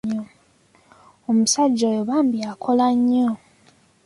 Omusajja oyo bambi akola nnyo.